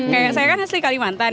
kayak saya kan asli kalimantan